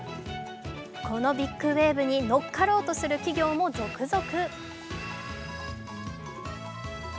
このビッグウエーブに乗っかろうとする企業も続々。